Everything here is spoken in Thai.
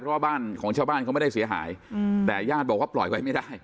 เพราะว่าบ้านของชาวบ้านเขาไม่ได้เสียหายแต่ญาติบอกว่าปล่อยไว้ไม่ได้